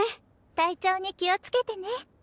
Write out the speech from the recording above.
体調に気を付けてね。